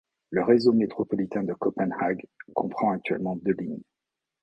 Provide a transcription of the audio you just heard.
Le réseau métropolitain de Copenhague comprend actuellement deux lignes.